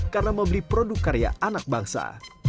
karena membeli produk karya anak bangsa